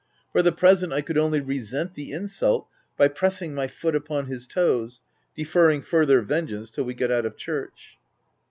For the present, I could only resent the insult by pressing my foot upon his toes, deferring further vengeance till we got out of church.